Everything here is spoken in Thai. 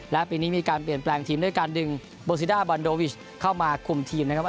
และปีนี้มีการเปลี่ยนแปลงทีมด้วยการดึงโบซิด้าบอนโดวิชเข้ามาคุมทีมนะครับ